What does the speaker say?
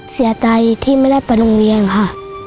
เสียใจที่ไม่ได้ไปโรงเรียนค่ะ